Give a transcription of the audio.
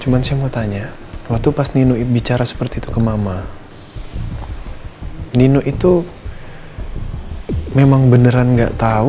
cuman saya mau tanya waktu pas nino bicara seperti itu ke mama nino itu memang beneran gak tau